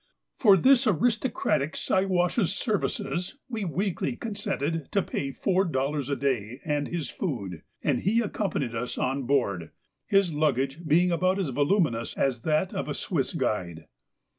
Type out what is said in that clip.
For this aristocratic Siwash's services we weakly consented to pay four dollars a day and his food, and he accompanied us on board, his luggage being about as voluminous as that of a Swiss guide.